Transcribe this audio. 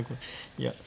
いや。